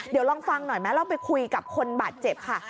เดี๋ยวลองฟังหน่อยไหมเราไปคุยกับคนบาดเจ็บค่ะ